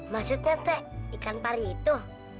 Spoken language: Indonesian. maksudnya pek ikan pari itu